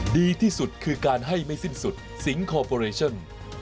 ดีที่สุดคือการให้ไม่สิ้นสุดสิงคอร์ปอเรชั่น